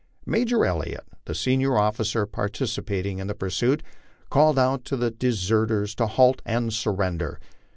Major Elliott, the senior officer participating in the pursuit, called out to the deserters to halt and surrender.